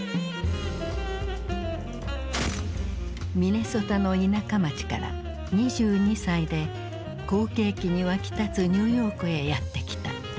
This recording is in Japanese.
ミネソタの田舎町から２２歳で好景気に沸き立つニューヨークへやって来た。